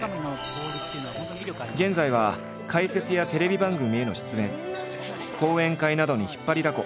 現在は解説やテレビ番組への出演講演会などに引っ張りだこ。